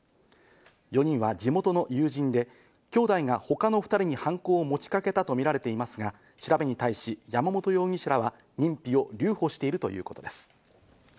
４人は地元の友人で兄弟が他の２人に犯行を持ちかけたとみられていますが、調べに対し山本容疑者らは認否を留保しているということです。